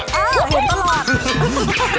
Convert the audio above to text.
อ้าวเห็นตลอด